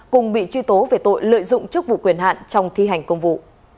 cùng bị truy tố về tội lợi dụng chức vụ quyền hạn trong thi hành công vụ